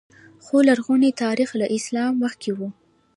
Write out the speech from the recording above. خو لرغونی تاریخ له اسلام مخکې و